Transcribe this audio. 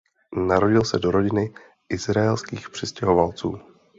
Narodil se do rodiny izraelských přistěhovalců.